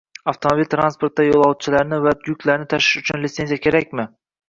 Avtomobil transportida yo‘lovchilarni va yuklarni tashish uchun litsenziya kerakmi?